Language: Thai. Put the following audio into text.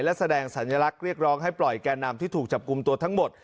และแสดงสัญลักษณ์เรียกร้องให้ปล่อยแก่นำที่ถูกจับกลุ่มตัวทั้งหมด